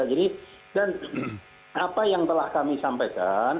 jadi dan apa yang telah kami sampaikan